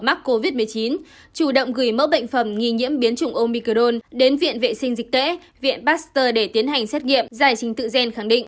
mắc covid một mươi chín chủ động gửi mẫu bệnh phẩm nghi nhiễm biến chủng omicron đến viện vệ sinh dịch tễ